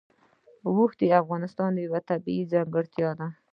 اوښ د افغانستان یوه طبیعي ځانګړتیا ده.